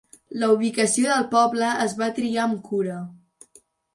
La ubicació del poble es va triar amb cura.